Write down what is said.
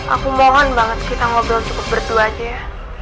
aku mohon banget kita ngobrol cukup berdua aja ya